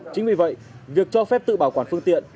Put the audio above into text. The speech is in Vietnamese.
chính vì vậy việc cho phép tự bảo quản phương tiện